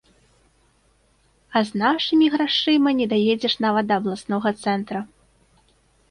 А з нашымі грашыма не даедзеш нават да абласнога цэнтра.